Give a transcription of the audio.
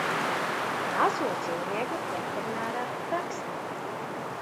Mazo dzīvnieku veterinārā prakse